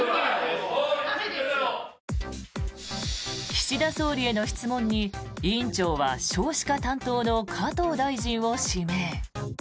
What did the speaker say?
岸田総理への質問に委員長は少子化担当の加藤大臣を指名。